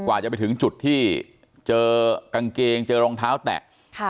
จะไปถึงจุดที่เจอกางเกงเจอรองเท้าแตะ